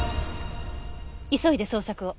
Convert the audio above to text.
急いで捜索を。